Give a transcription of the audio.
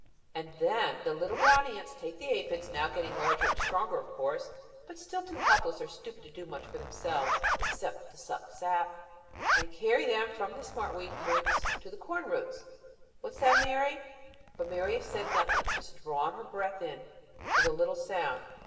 And then the little brown ants take the aphids, now getting larger and stronger, of course, but still too helpless or stupid to do much for themselves except to suck sap, and carry them from the smart weed roots to the corn roots What's that, Mary?" But Mary had said nothing; just drawn in her breath with a little sound.